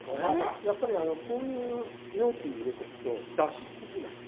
やっぱりあのこういう容器に入れとくと出しすぎない。